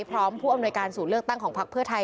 ผู้อำนวยการศูนย์เลือกตั้งของพักเพื่อไทย